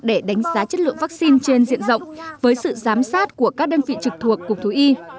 để đánh giá chất lượng vaccine trên diện rộng với sự giám sát của các đơn vị trực thuộc cục thú y